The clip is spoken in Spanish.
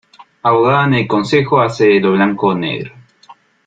Abogado en el concejo hace de lo blanco negro.